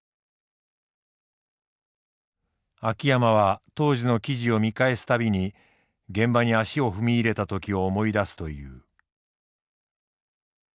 秋山は当時の記事を見返す度に現場に足を踏み入れた時を思い出すという。